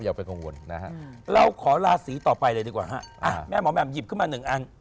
เราขอราสีต่อไปเลยดีกว่าแม่หมอแหม่มหยิบขึ้นมาหนึ่งอัน